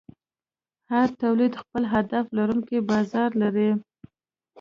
هر تولید خپل هدف لرونکی بازار لري.